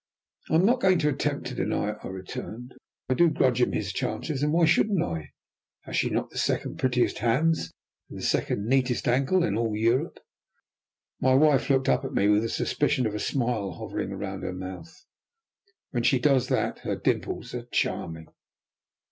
"I am not going to attempt to deny it," I returned. "I do grudge him his chances. And why shouldn't I? Has she not the second prettiest hands, and the second neatest ankle, in all Europe?" My wife looked up at me with a suspicion of a smile hovering round her mouth. When she does that her dimples are charming.